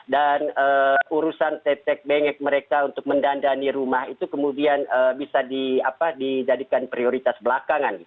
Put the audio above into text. dan urusan tetek bengek mereka untuk mendandani rumah itu kemudian bisa dijadikan prioritas belakangan